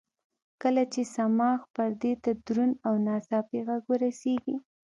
کله چې صماخ پردې ته دروند او ناڅاپي غږ ورسېږي.